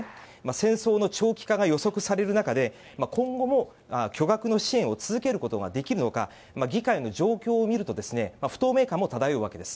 戦争の長期化が予測される中で今後も巨額の支援を続けることができるのか議会の状況を見ると不透明感も漂うわけです。